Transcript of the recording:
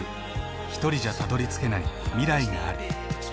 ひとりじゃたどりつけない未来がある。